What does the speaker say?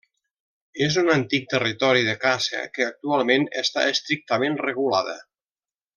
És un antic territori de caça que actualment està estrictament regulada.